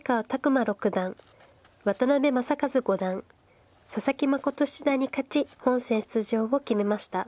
馬六段渡辺正和五段佐々木慎七段に勝ち本戦出場を決めました。